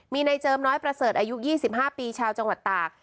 มีในเจิมน้อยประเสริฐอายุ๒๕ปีชาวจังหวัดตาก